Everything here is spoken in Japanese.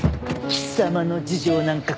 貴様の事情なんか